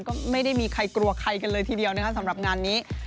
ก็ไม่ได้มีใครกลัวใครกันเลยทีเดียวนะคะสำหรับงานนี้